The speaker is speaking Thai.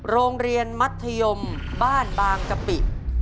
โรงเรียนมัธยมบ้านบางกะปิ